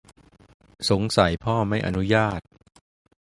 สงสัยพ่อไม่อนุญาต